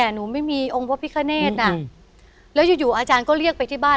หนูไม่มีองค์พระพิคเนธน่ะแล้วอยู่อาจารย์ก็เรียกไปที่บ้าน